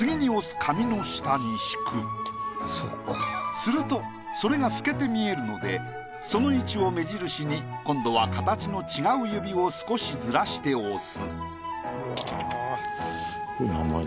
するとそれが透けて見えるのでその位置を目印に今度は形の違う指を少しずらして押す。